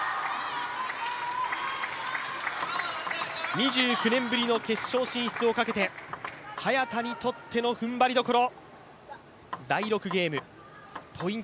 ２９年ぶりの決勝進出をかけて、早田にとってのふんばりどころ。